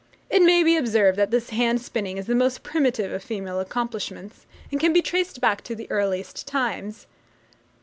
It may be observed that this hand spinning is the most primitive of female accomplishments, and can be traced back to the earliest times.